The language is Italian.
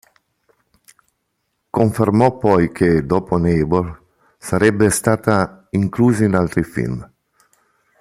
Confermò poi che, dopo "Neighbours", sarebbe stata inclusa in altri film.